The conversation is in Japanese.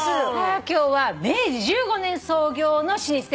今日は明治１５年創業の老舗